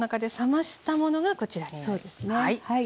はい。